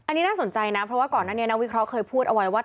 อันนี้น่าสนใจนะเพราะว่าก่อนหน้านี้นักวิเคราะห์เคยพูดเอาไว้ว่า